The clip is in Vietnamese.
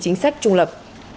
chính sách trung lập